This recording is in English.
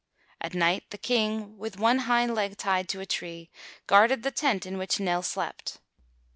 At night the King, with one hind leg tied to a tree, guarded the tent in which Nell slept.